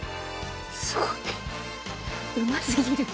すごい。